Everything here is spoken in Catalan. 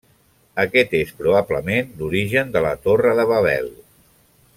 Aquest és probablement l'origen de la torre de Babel.